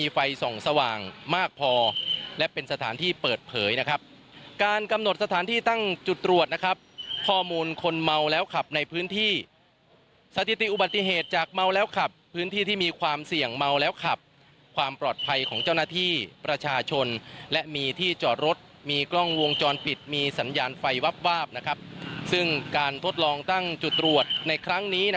ไฟส่องสว่างมากพอและเป็นสถานที่เปิดเผยนะครับการกำหนดสถานที่ตั้งจุดตรวจนะครับข้อมูลคนเมาแล้วขับในพื้นที่สถิติอุบัติเหตุจากเมาแล้วขับพื้นที่ที่มีความเสี่ยงเมาแล้วขับความปลอดภัยของเจ้าหน้าที่ประชาชนและมีที่จอดรถมีกล้องวงจรปิดมีสัญญาณไฟวับวาบนะครับซึ่งการทดลองตั้งจุดตรวจในครั้งนี้นะ